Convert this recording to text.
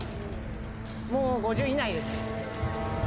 もう５０以内です。